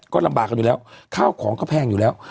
ก็ลำบากกันอยู่แล้วข้าวของก็แพงอยู่แล้ว